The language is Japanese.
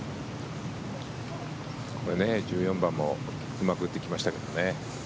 １４番もうまく打っていきましたけどね。